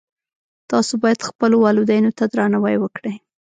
تاسو باید خپلو والدینو ته درناوی وکړئ